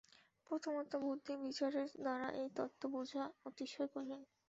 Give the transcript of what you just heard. প্রথমত বুদ্ধিবিচারের দ্বারা এই তত্ত্ব বুঝা অতিশয় কঠিন।